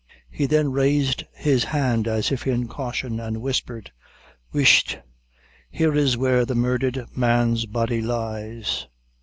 He then raised his hand, as if in caution, and whispered "Whisht! here is where the murdhered man's body lies."